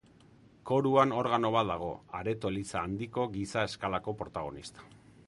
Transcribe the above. Koruan organo bat dago, areto-eliza handiko giza eskalako protagonista.